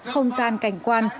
không gian cảnh quan